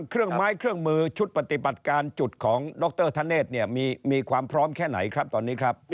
เครื่องไม้เครื่องมือชุดปฏิบัติการจุดของดรธเนธเนี่ยมีความพร้อมแค่ไหนครับตอนนี้ครับ